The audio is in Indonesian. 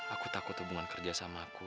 aku takut hubungan kerja sama aku